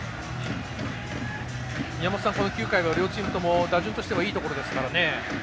宮本さん、９回は両チームとも打順としてはいいところですから。